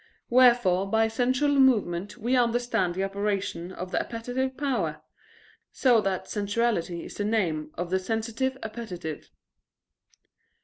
Wherefore by sensual movement we understand the operation of the appetitive power: so that sensuality is the name of the sensitive appetite.